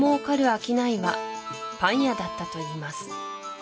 商いはパン屋だったといいます